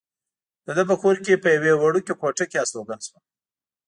د ده په کور کې په یوې وړوکې کوټه کې استوګن شوم.